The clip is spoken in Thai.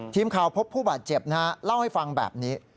พบผู้บาดเจ็บนะฮะเล่าให้ฟังแบบนี้